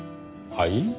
はい？